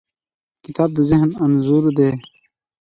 کتاب د ذهن انځور دی.